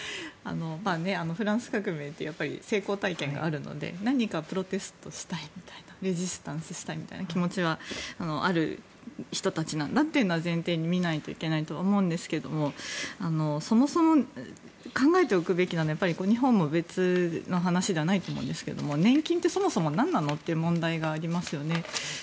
フランス革命っていう成功体験があるので何かプロテストしたいというレジスタンスしたいという気持ちがある人たちなんだというのを前提に見ないといけないとは思うんですがそもそも考えておくべきなのは日本も別の話じゃないと思うんですが年金ってそもそもなんなの？という問題がありますよね。